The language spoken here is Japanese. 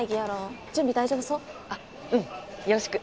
あうんよろしく。